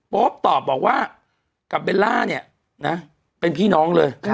โป๊ปตอบบอกว่ากับเบลล่าเนี่ยนะเป็นพี่น้องเลย